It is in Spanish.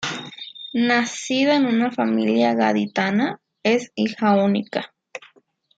Nacida en una familia gaditana, es hija única.